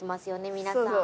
皆さん。